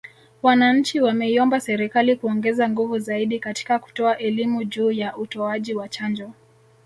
Wananchi wameiomba Serikali kuongeza nguvu zaidi katika kutoa elimu juu ya utoaji wa chanjo